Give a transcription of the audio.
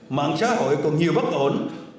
mạng xã hội còn nhiều bất ổn